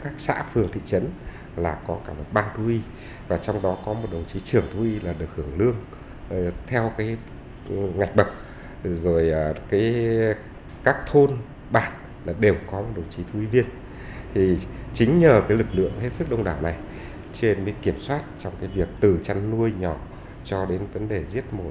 các chợ dân sinh là tập trung tất cả lực lượng để tăng cường